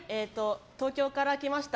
東京から来ました